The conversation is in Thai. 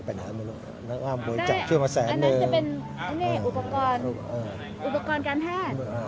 ไปหาน้องอ้ำบริจาคช่วยมาแสนเงินอันนั้นจะเป็นอันนี้อุปกรณ์อุปกรณ์การแพทย์